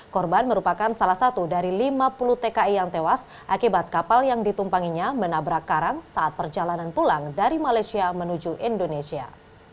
korban merupakan salah satu dari lima puluh tki yang tewas akibat kapal yang ditumpanginya menabrak karang saat perjalanan pulang dari malaysia menuju indonesia